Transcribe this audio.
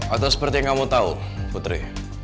atau seperti yang kamu tahu putri